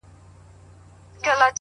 د الماسو یې جوړ کړی دی اصلي دی,